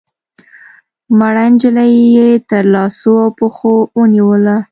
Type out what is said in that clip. مړه نجلۍ يې تر لاسو او پښو ونيوله